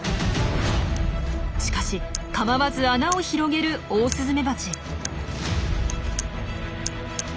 しかし構わず穴を広げるオオスズメバチ。